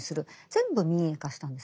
全部民営化したんですね。